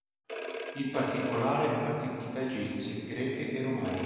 In particolare antichità egizie, greche e romane.